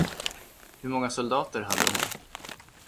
Hur många soldater hade hon?